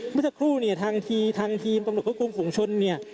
เมื่อสักครู่เนี่ยทางทีทางทีมตำรวจควบคุมฝุงชนเนี่ย